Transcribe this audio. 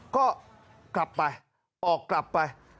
ก็กลับไปออกกลับไป